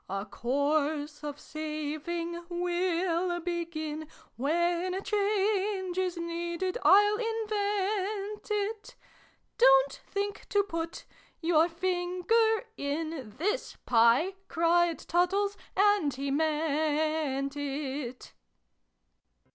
A course of saving we'll begin : When change is needed, I'll invent it: Don't think to put your finger in This pie !" cried Tattles (and he meant if).